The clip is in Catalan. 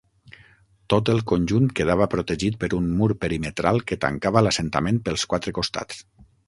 Tot el conjunt quedava protegit per un mur perimetral que tancava l’assentament pels quatre costats.